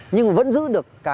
nhưng vẫn giữ được